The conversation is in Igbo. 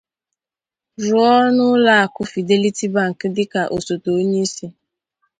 rụọ n'ụlọakụ 'Fidelity Bank' dịka osote onyeisi